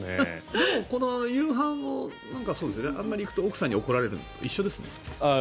夕飯をあんまり行くと奥さんに怒られるって一緒ですね。